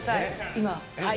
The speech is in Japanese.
今？